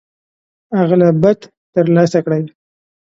هعلْهبت تر لاسَ کړئ.